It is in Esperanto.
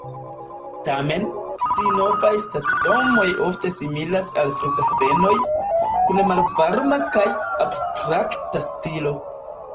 Tamen, pli novaj stacidomoj ofte similas al flughavenoj, kun malvarma kaj abstrakta stilo.